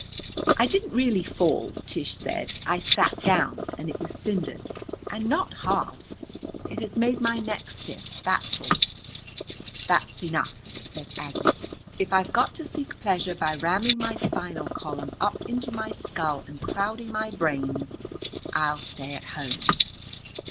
"I didn't really fall," Tish said. "I sat down, and it was cinders, and not hard. It has made my neck stiff, that's all." "That's enough," said Aggie. "If I've got to seek pleasure by ramming my spinal column up into my skull and crowding my brains, I'll stay at home."